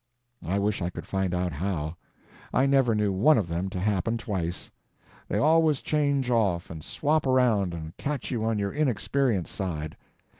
I wish I could find out how. I never knew one of them to happen twice. They always change off and swap around and catch you on your inexperienced side.